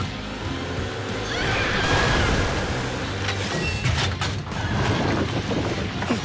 うわあーっ！